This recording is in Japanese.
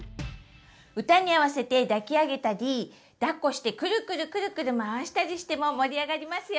歌に合わせて抱き上げたりだっこしてくるくるくるくる回したりしても盛り上がりますよ！